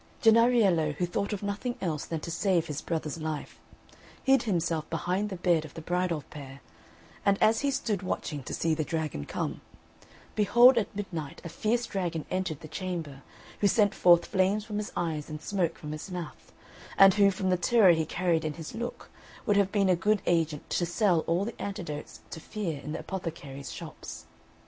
Jennariello, who thought of nothing else than to save his brother's life, hid himself behind the bed of the bridal pair; and as he stood watching to see the dragon come, behold at midnight a fierce dragon entered the chamber, who sent forth flames from his eyes and smoke from his mouth, and who, from the terror he carried in his look, would have been a good agent to sell all the antidotes to fear in the apothecaries' shops.